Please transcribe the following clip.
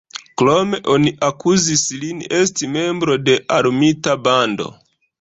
Krome oni akuzis lin esti membro de "armita bando".